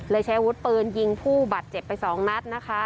เลยใช้วุฒิปืนยิงผู้บัดเจ็บไป๒นัดนะคะ